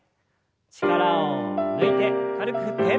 力を抜いて軽く振って。